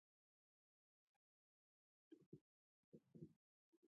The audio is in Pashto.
ازاده سوداګریزه معامله د خصوصي کولو شرط ده.